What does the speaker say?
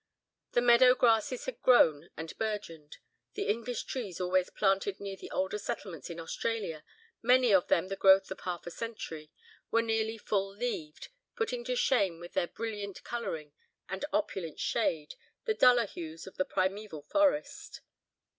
The meadow grasses had grown and burgeoned, the English trees always planted near the older settlements in Australia, many of them the growth of half a century, were nearly full leaved, putting to shame with their brilliant colouring, and opulent shade, the duller hues of the primeval forest.